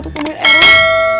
untuk pemin eros